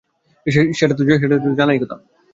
সেটা-সেটা তো জানাই কথা।